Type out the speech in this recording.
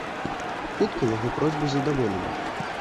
Хутка яго просьбу задаволілі.